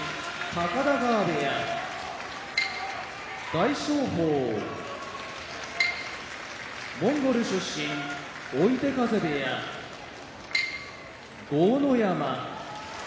大翔鵬モンゴル出身追手風部屋豪ノ山